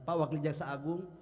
pak wakil jaksa agung